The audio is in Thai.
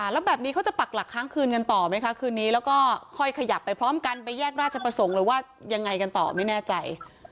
แล้วแบบนี้เขาจะปักหลักค้างคืนกันต่อไหมคะคืนนี้แล้วก็ค่อยขยับไปพร้อมกันไปแยกราชประสงค์หรือว่ายังไงกันต่อไม่แน่ใจ